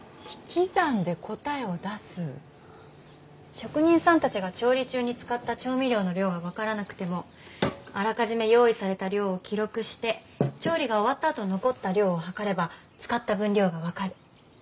職人さんたちが調理中に使った調味料の量がわからなくてもあらかじめ用意された量を記録して調理が終わったあと残った量を量れば使った分量がわかる。